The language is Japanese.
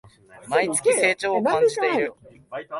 毎月、成長を感じてる